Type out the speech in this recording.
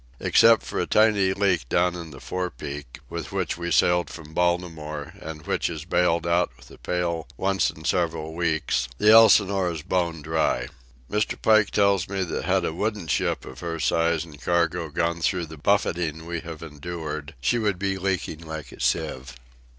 Except for a tiny leak down in the fore peak, with which we sailed from Baltimore and which is bailed out with a pail once in several weeks, the Elsinore is bone dry. Mr. Pike tells me that had a wooden ship of her size and cargo gone through the buffeting we have endured, she would be leaking like a sieve.